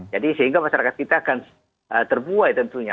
jadi sehingga masyarakat kita akan terbuai tentunya